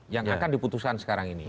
yang akan diputuskan sekarang ini